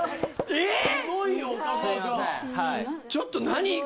えっ？